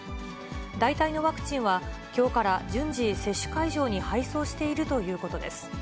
代替のワクチンは、きょうから順次、接種会場に配送しているということです。